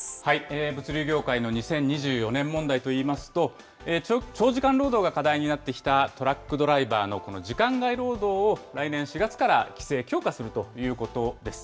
物流業界の２０２４年問題といいますと、長時間労働が課題になってきたトラックドライバーの時間外労働を来年４月から規制強化するということです。